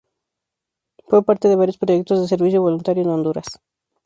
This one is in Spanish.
Fue parte de varios proyectos de servicio voluntario en Honduras.